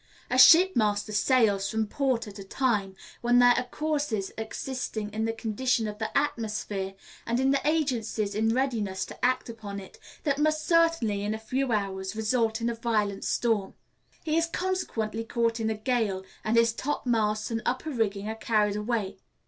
A ship master sails from port at a time when there are causes existing in the condition of the atmosphere, and in the agencies in readiness to act upon it, that must certainly, in a few hours, result in a violent storm. He is consequently caught in the gale, and his topmasts and upper rigging are carried away.